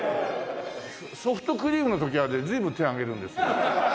ソフトクリームの時はね随分手を挙げるんですよ。